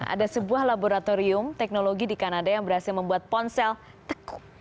ada sebuah laboratorium teknologi di kanada yang berhasil membuat ponsel tekuk